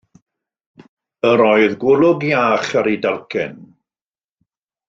Yr oedd golwg iach ar ei dalcen.